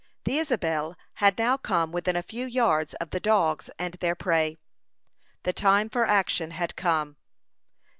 The Isabel had now come within a few yards of the dogs and their prey. The time for action had come.